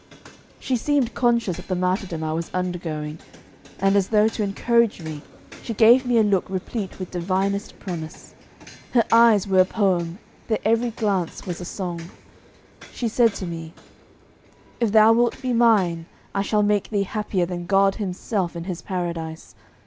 She seemed conscious of the martyrdom I was undergoing, and, as though to encourage me, she gave me a look replete with divinest promise. Her eyes were a poem; their every glance was a song. She said to me: 'If thou wilt be mine, I shall make thee happier than God Himself in His paradise.